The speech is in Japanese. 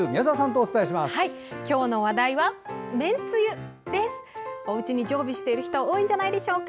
おうちに常備している人多いんじゃないでしょうか。